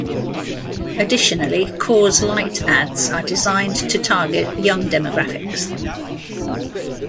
Additionally, Coors Light ads are designed to target young demographics.